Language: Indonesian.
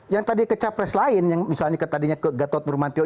yang tadi ke capres lain misalnya ke gatot murmantio